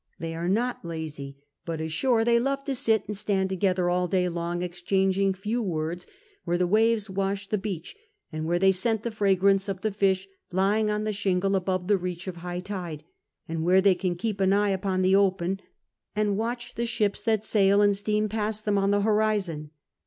They are not lazy, but ashore they love to sit and stand together all day long, exchanging few words, where the waves wash tlio beach, and where they scent the fragrance of the fish lying on the shingle above tlie reach of high tide, and where they can keep an eye upon the open and watch the ships that sail and steam past tliem on the horizon.